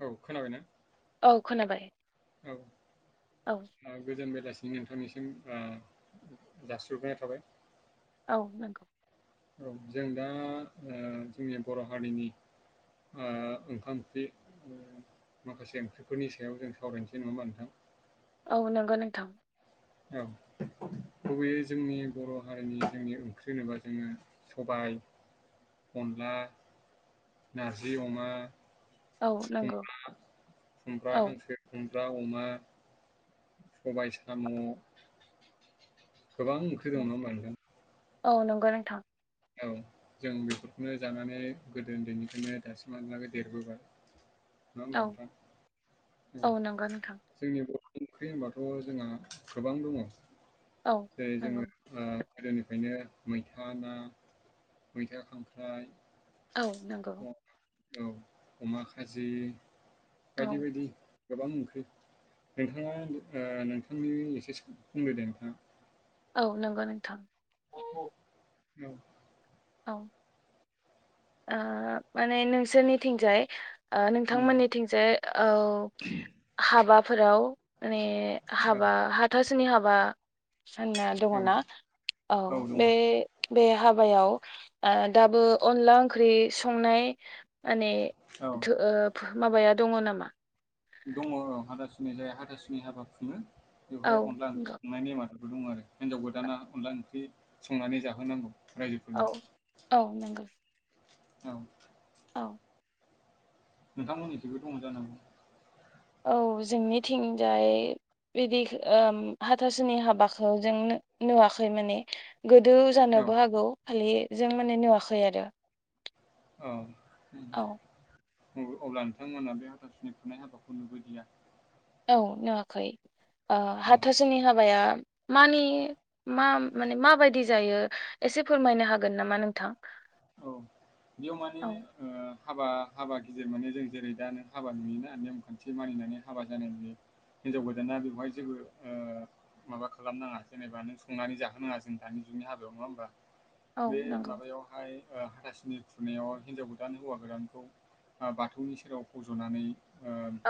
औ खोनाबायना औ खोनाबाय औ गोजोन बेलासि बिनि नोंथांनिसिम जास्रिहरग्रोनाय थाबाय औ नंगौ औ जों दा जोंनि बर' हारिनि ओखामथि माखासे ओंख्रिफोरनि सायाव जों सावरायनोसै नङाबा नोंथां। औ नंगौ नोंथां औ गुबैयै जोंनि बर' हारिनि जोंनि ओंख्रि होनोबा जोंङो सबा [unintelligible] अनला नारजि अमा औ नंगौ खुब्रा औ हांसो [unintelligible] खुमब्रा अमा सबाय साम' गोबां ओंख्रि दङ नं- ना होमबा नोंथां औ नंगौ नोंथां औ जों बेफोरखौनो जानानै गोदो उन्दैनिफ्रायनो दासिमहालालाग देरबोबाय नंङा औ होनबा नोंथां औ नंगौ नोंथां जोंनि ओंख्रि होनबाथ' जोंहा गोबां दङ औ जेरै नंगौ जोंङो ओ गोदोनिफ्रायनो मैथा ना मैथा खांख्राइ औ नंगौ अ- औ अमा खाजि औ बायदि बायदि गोबां ओंख्रि नोंथाङा नोंथांनि एसे बुंदै दे नोंथाङा औ नंगौ नोंथां औ औ ओ माने नोंसोरनिथिंजाय उम नोंथांमोननिथिंजाय औ हाबाफोराव माने औ हाबा हाथासोनि हाबा सानना दङना औ औ बे बे हाबायाव दाबो अनला ओंख्रि संनाय माने औ ओ [unintelligible] माबाया दङ नामा? दङ औ हाथासुनि जाया हाथासुनि हाबा खुङो औ बेवहाय अनला ओंख्रि नंगौ संनाय नेमाद दं। दंङ आरो हिनजावखौ जानला मानला ओंख्रि संनानै जाहोनांगौ। रायजोफोरनो औ औ नंगौ। औ औ नोंथांमोननिसिबो दं जानांगौ। औ जोंनिथिंजाय बिदि ओ हाथासुनि हाबाखौ जों नुवाखै माने गोदो औ जानोबो हागौ खालि जों माने नुवाखै आरो। औ औ अब्ला नोंथांमोनहा बे हाथासुनि खुंनाय हाबाखौ नुबोदिया? औ नुवाखै ओ औ हाथासोनि हाबाया मानि मा माने माबायदि जायो एसे फोरमायनो हागोन नामा नोंथां? औ बेयाव माने औ ओ हाबा हाबा गिदिर माने जों जेरै दा नों हाबा नुयोना नेम खान्थि मानिनानै हाबा जानाय नुयो। हिनजाव गोदाना बेवहाय जेबो ओ माबा खालामनाङा जेनेबा नों संनानै जाहोनाङा जों दानि जुगनि हाबायाव नङा होमबा? औ बे नंगौ माबायावहाय हाथासुनि खुंनायाव हिनजाव गोदान हौवा गोदानखौ बाथौनि सेराव फज'नानै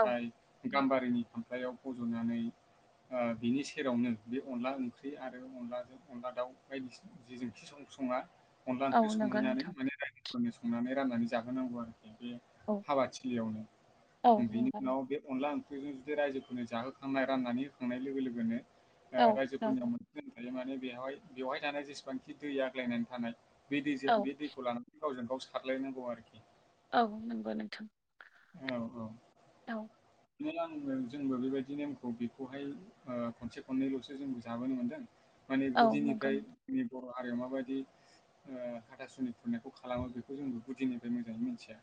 औ नंगौ गाम्बारिनि खामफ्लायाव फज'नानै ओ बिनि सेरावनो बे अनला ओंख्रि आरो अनलाजों अनला दाउ बायदिसिना जिजों सं ङा अनला औ ओंख्रि नंगौ संहोनानै नोंथां माने रायजोफोरनो संनानै राननानै जाहोनांगौ आरो। बे औ हाबाथिलियावनो औ बेनि नंगौ उनाव नोंथां बे अनला ओं ख्रिजों बेजों जुदि रायजोफोरनो जाहोखांनाय राननानै होखांनाय लोगो लोगोनो औ रायजोफोरनियाव नंगौ मोनसे नेम थायो माने बेवहाय बेवहाय थानाय जेसेबांखि दै आग्लायनानै थानाय बे दैजों औ बे दैखौ लानानै गावजों गाव सारलायनांगौ आरोखि औ नोंगौ नोंथां औ औ औ नों आं जोंबो बेबायदि नेमखौ बेखौहाय खनसे खननैल'सो जों जाबोनो मोन्दों माने औ नंगौ गुदिनिफ्राय जोंनि बर' हारिया माबायदि हाथासुनि खुंनायखौ खालामो बेखौ जोंबो गुदिनिफ्राय मोजाङै मिथिया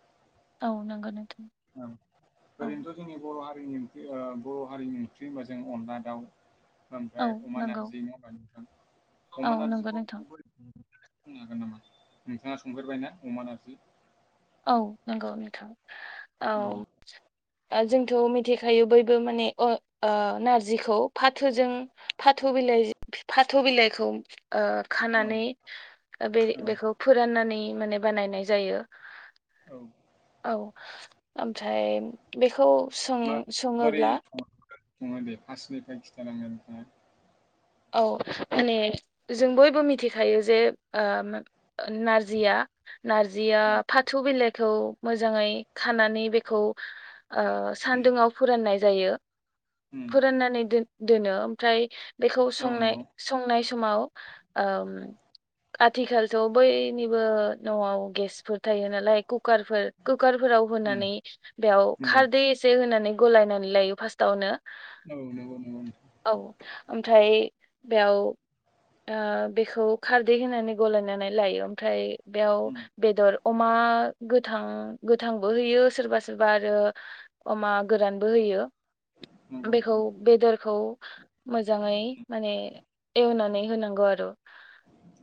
औ नंगौ नोंथां औ औ ओरैनोथ' जोंनि बर' हारि नि ओं बर' हारिनि ओंख्रि होनबा जों अनला दाउ औ ओमफ्राय अमा नंगौ नारजि नङा होमबा नोंथां औ अमा नंगौ नारजिखौ नोंथां बोरै बुंनो हागोन नामा नोंथाङा संफेरबाय ना अमा नारजि औ नंगौ नोंथां औ औ जोंथ' मिथिखायो बयबो माने ओ नारजिखौ फाथोजों फाथो बिला य फाथो बिलाइखौ ओ औ खानानै बे औ बेखौ फोराननानै माने बानायनाय जायो औ औ ओमफ्राय बेखौ सं मा मारै सङोब्ला सङो सङो दे फार्स्टनिफ्राय खिथालांदो नोंथाङा औ माने जों बयबो मिथिखायो जे ओ नारजिया नारजिया औ फाथो बिलाइखौ मोजाङै खानानै बेखौ ओ सान्दुंआव फोराननाय जायो उम फोराननानै दोनो ओमफ्राय बेखौ औ संनाय नंगौ। संनाय समाव ओम आथिखालथ' बयनिबो न'आव गेसफोर थायो नालाय कु कारफोर कुकारफोराव उम होनानै बेयाव नंगौ खारदै एसे होनानै गलायनानै लायो फार्स्टआवनो औ नोंगौ नोंगौ नोंथां ओमफ्राय बेयाव ओ बेखौ खारदै होनानै गलायनानै लायो ओमफ्राय बेयाव उम बेदर अमा गोथां गोथांबो होयो सोरबा सोरबा आरो अमा गोरानबो होयो यो नंगौ बेखौ नोंथां बेदरखौ मोजाङै माने एवनानै होनांगौ आरो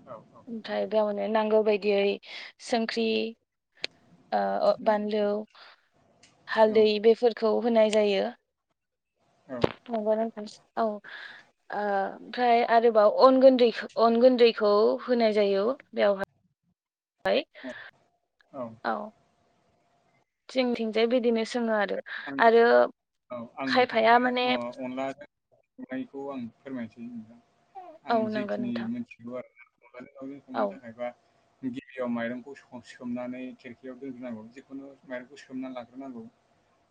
औ ओमफ्राय गावनो नांगौ बायदियै संख्रि ओ अ बानलौ औ हालदै बेफोर खौ होनाय जायो औ नंगो नोथां औ [inaudible] ओ ओमफ्राय आरोबाव अन गुन्दै अन गुन्दैखौ होनाय जायो बेवहाय [unintelligible] औ जोंथिंजाय बिदिनो संङो आरो आं आरो औ आं खायफाया नोथांनो माने ओ अनलाजों संनायखौ आं फोरमायसै नोथां आं औ नंगौ जिखिनि नोंथां मोनथिगौ आरो ना अनला जों दाव औ संनो थाखाय बा गिबियाव माइरंखौ स सोमनानै खेरखायाव दोनग्रोनांगौ जिखुनु माइरंखौ सोमना लाग्रोनांगौ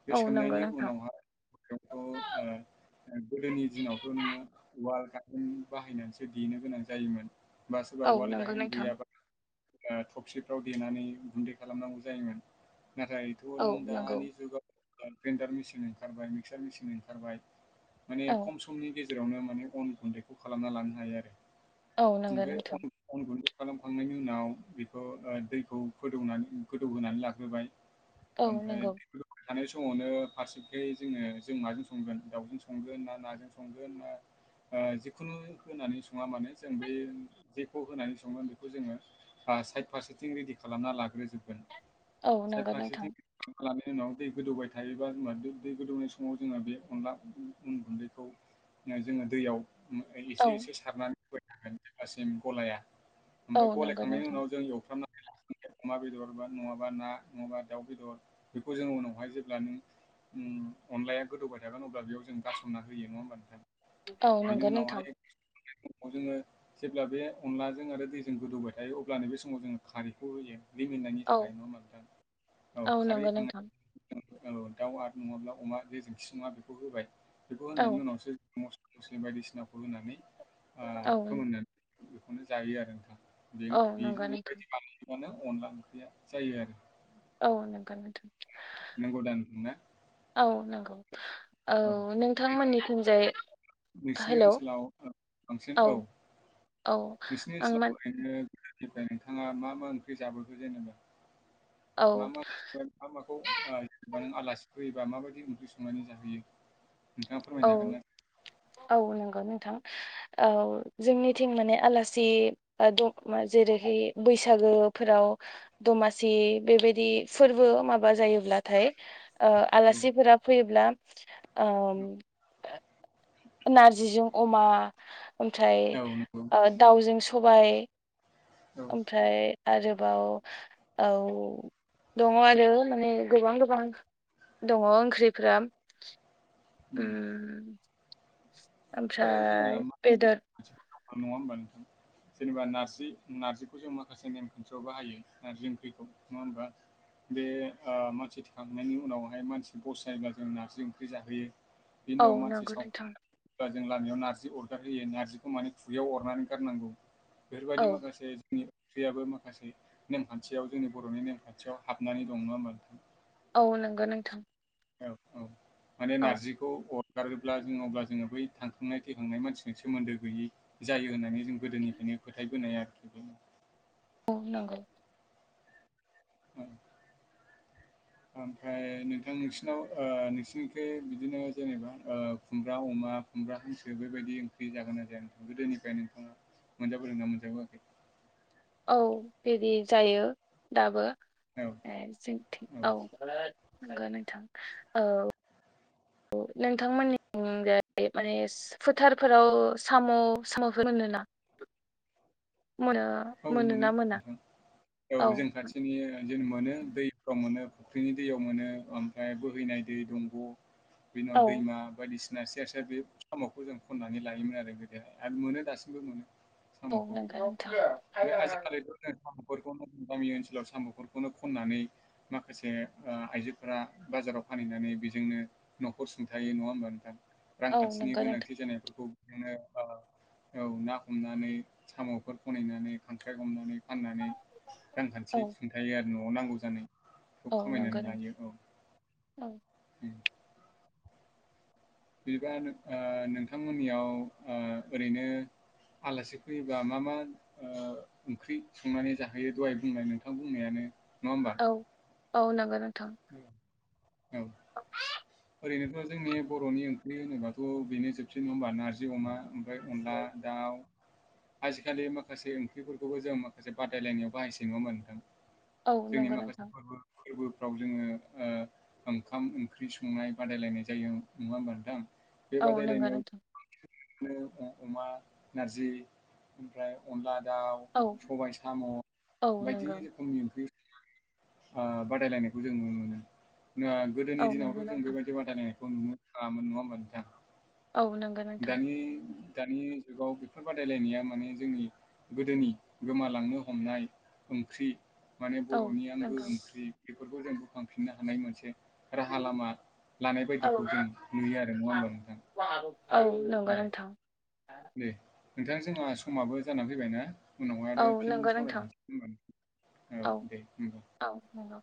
बे औ नंगौ सोंनायनि नोंथां उनावहाय गोदोनि दिनाथ' नोङो उवाल गा बाहायनानैसो देनो गोनां जायोमोन बा सोरबा औ उाल नंगौ गाहेन नोंथां गैयाबा टफसिफ्राव देनानै गुन्दै खालामनांगौ जायोमोन नाथायथ' औ नों नंगौ दानि जुगाव ग्रेन्डार मेसिन ओंखारबाय मिक्सार मेसिन ओंखारबाय माने औ खम समनि गेजेराव गेरावनो माने अन गुन्दैखौ खालामना लानो हायो आरो, औ नंगौ नोंथां ओमफ्राय अन गुन्दै खालामखांनायनि उनाव बेखौ ओ दैखौ गोदौ गोदौहोनानै लाग्रोबाय। औ ओमफ्राय नंगौ थानाय समावनो फारसेखै जोङो जों माजों संगोन दाउजों संगोन ना? नाजों संगोन ना? ओ जिखुनु होनानै सङा मानोे, जों बे जेखौ होनानै सङो बेखौ जोङो साइथ फारसेथिं रेडि खालामना लाग्रोजोबगोन। औ नंगौ नोंथां। लायनि उनाव दै गोदौबाय थायोबा [unintelligible] दै गोदौनाय समाव, जोङो बे अनला अन गुन्दैखौ, जोङो दैयाव, एसे औ एसे सारनानै होबाय थागोन जेब्लासिम गलाया, औ ओमफ्राय ग'लाय नंगौ थांनायनि नोंथां उनाव जों एवफ्रामनानै लाग्रोगोन अमा बेदर बा नङाबा ना नङाबा दाउ बेदर बेखौ जों उनावहाय जेब्ला नों, उम अनलाया गोदौबाय थागोन अब्ला बेयाव जों गारसनना होयो, नङा होनब्ला नोंथां, औ नंगौ नोंथां। समाव जोङो जेब्ला बे अनलाजों आरो दैजों गोदौबाय, जायो, अब्ला नो बेे समाव जोङो खारैखौ होयो। रिमोननायनि औ थाखाय नङा होनबा नोथां, औ खारै नंगौ होखांनाय नोंथां औ दाउ आरो नङाब्ला अमा बेे जोंखि नङा बेखौ होबाय, बेखौ औ होनायनि उनावसो, मस्ला मस्लि बायदिसिनाखौ होनानै ओ औ फोमोननानै बेखौनो जायो आरो नोंथां। बे औ बे नंगौ नोंथां बेबायदि खालामबानो अनला ओंख्रिया जायो आरो। औ नंगौ नोंथां। नंगौ दा ना? औ नंगौ औ नोंथां मोननिथिं जानाय, नोंसिनि ओनसोलाव बांसिन औ, औ नोंसिनि आं ओनसोलाव मान ओरैनो, जायनिफ्राय नोंथाङा मा मा ओंख्रि जाबोखो, जेनेबा मा औ माखौ ओ जेनेबा नों आलासि, फोयोबा माबायदि ओंख्रि संनानै जाहोयो, नोंथाङा औ फोरमायनो हागोन ना? औ नंगौ नोंथां, औ जोंनिथिं माने आलासि [unintelligible] जेरैहाय बैसागोफोराव दमासि बेबायदि फोरबो माबा जायोब्ला, थाय ओ आलासिफोरा फैयोब्ला ओम नारजिजों अमा ओमफ्राय औ नंगौ ओ दाउजों सबाय, औ ओमफ्राय आरोबाव औ दङ आरो माने गोबां गोबां, दङ ओंख्रिफ्राम उम ओम आरो जोंना ओमफ्राय माखासे बेदेर, नेमखान्थिफोर नङा होमबा नोंथां, जेनेबा नारजि नारजिखौ जों माखासे नेम खान्थियाव बाहायो नारजि ओंख्रिखौ नङा होमबा, बे ओ मानसि थैखांनायनि उनावहाय मानसि बस जायोब्ला जों नारजि ओंख्रि जाहोयो, औ नांगौ नोंथां ओ जों लामायाव नारजि अरगार होयो नारजिखौ माने खुगायाव अरनानै गारनांगौ, औ बेफोरबायदि माखासे जोंनि, ओंख्रियाबो माखासे नेमखान्थियाव जोंनि बर'नि नेमखान्थियाव हाबनानै दं नङा होमबा नोंथां? औ नंगौ नोंथां, औ औ माने औ नारजिखौ अर गारोब्ला जों अब्ला जोङो बै थांखांनाय थैखांनाय मानसिजों सोमोन्दो गैयै जायो होन्नानै, जों गोदोनिफायनो फोथायबोनाय आरोखि बे नोंगौ उम ओमफ्राय नोंथां नोंसिनाव ओ नोंसिनिखै बिदिनो जेनेबा ओ खुमब्रा अमा, बा खुमब्रा हांसो बेबायदि ओंख्रि जागोना जाया? नोंथां गोदोनिफ्राय नोंथाङा, मोनजाबोदोंना मोनजाबोयाखै? औ बेदि जायो दाबो। औ ए जोंथिं औ नोंगौ नोंथां औ। अ नोंथांमोननि थिंजाय माने फोथारफोराव साम' साम'फोर मोनो ना [inaudible] औ मोनो मोना नोंथां औ जों खाथिनि जों मोनो दैफ्राव मोनो। फुख्रिनि दैयाव मोनो ओमफ्राय बोहैनाय दै दंग बि उनाव औ दैमा बायदिसि सिना सेर सेर बे साम'खौ जों खननानै लायोमोन आरो गोदोहाय आरो मोनो दासिमबो मोनो। औ नोंगो नोंथां। ओमफाय आजिखालिथ नो [unintelligible] गामि ओनोलाव साम'फोरखौनो खनानै माखासे ओ आइजोफोरा बा बाजाराव फानैनानै बेजोंनो न'खर सुंथायो नङा होमबा नोंथां औ रांखान्थिनि नंगौ नोंथां गोनांथि जानायफोरखौ मोनो ओ औ ना हमनानै सामफोर खनैनानै खांख्राइ हमनानै फाननानै रांखान्थि औ सुंथायो आरो न'आव नांगौ जानाय खौ औ नंगौ खामायनानै लायो औ। औ। [inaudible] बिबानो ओ नोंथांमोननियाव ओ ओरैनो आलासि फैयोबा मा मा ओ ओंख्रि संनानै जाहोयो दहाय बुंनाय नोंथां बुंनायानो। नङा होमबा? औ औ नोंगौ नों बे [inaudible] ओरैनोथ जोंनि बर'नि ओंख्रि होनोबाथ बेनो जोबसै नङा होनबा नारजि अमा ओमफाय अनला दाउ आजिखालि माखासे ओंख्रिफोरखौबो जों माखासे बादायलायनायाव बाहायसै नङा होनबा नोंथां? औ जोंनि नंगौ नोंथां माखासे फोरबो फोरबोफ्राव जोङो ओ ओंखाम ओंख्रि संनाय बादायलायनाय जायो नङा होनबा नोंथां? औ नंगौ नोंथां। बिनो अमा नारजि ओमफ्राय अनला दाउ औ सबाय साम' औ बायदि नंगौ रोखोमनि ओंख्रि ओ बादायलायनायखौ जों नुनो मोनो ना गोदोनि औ नंगौ दिनावथ' जों नोंथां बेबायदि बादायलायनाय नुनो थाङामोन नंङा ओनबा नोंथां? औ नंगौ नोंथां दानि दानि जुगाव बेफोर बादायलायनाया माने जोंनि गोदोनि गोमालांनो हमनाय ओंख्रि माने औ बर'नि आंगो नंगौ ओंख्रि बेफोरखौ जों बोखांफिननो हानाय मोनसे राहा लामा लानाय बायदिखौ औ जों नुयो आरो नङा होमबा नोंथां? औ नंगौ नोंथां। दे नोंथां जोंहा समाबो जानानै फैबाय ना? उनावहाय औ आरो फिन नंगौ नोंथां सावरायफिनसै होनबा औ दे होनबा। औ नंगौ